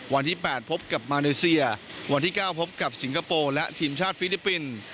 วันที่๘พบกับมาเลเซียวันที่๙พบกับสิงคโปร์และทีมชาติฟิลิปปินส์